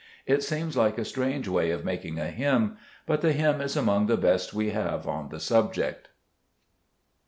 It seems like a strange way of making a hymn ; but the hymn is among the best we have on the subject.